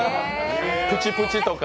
プチプチとか。